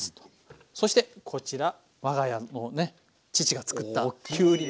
そしてこちら我が家のね父が作ったきゅうり。